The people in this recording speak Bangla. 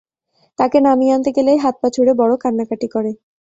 তাকে নামিয়ে আনতে গেলেই হাত-পা ছুঁড়ে বড় কান্নাকাটি করে।